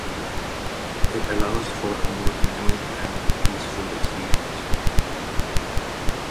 It allows for a more intimate and peaceful experience.